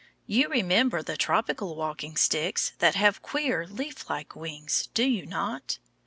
You remember the tropical walking sticks that have queer leaf like wings, do you not?